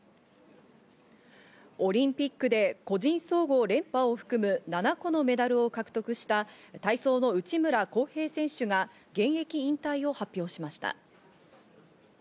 オリンピックで個人総合連覇を含む７個のメダルを獲得した体操の内村航平選手が現役引退を発表しました。